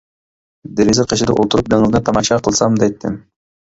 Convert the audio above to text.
دېرىزە قېشىدا ئولتۇرۇپ دېڭىزنى تاماشا قىلسام دەيتتىم.